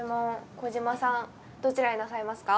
児嶋さんどちらになさいますか？